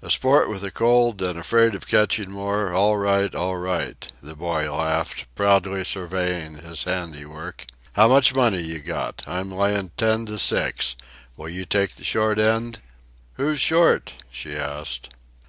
"A sport with a cold and afraid of catching more, all right all right," the boy laughed, proudly surveying his handiwork. "How much money you got? I'm layin' ten to six. Will you take the short end?" "Who's short?" she asked.